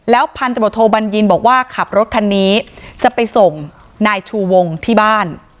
พันธบทโทบัญญินบอกว่าขับรถคันนี้จะไปส่งนายชูวงที่บ้าน